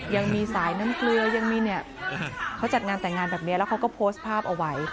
ยังมีสายน้ำเกลือยังมีเนี่ยเขาจัดงานแต่งงานแบบนี้แล้วเขาก็โพสต์ภาพเอาไว้